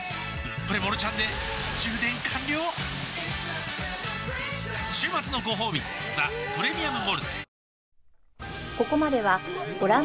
プレモルちゃんで充電完了週末のごほうび「ザ・プレミアム・モルツ」